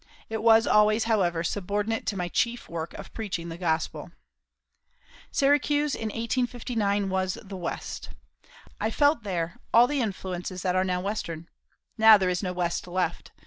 It was always, however, subordinate to my chief work of preaching the Gospel. Syracuse in 1859 was the West. I felt there all the influences that are now western. Now there is no West left.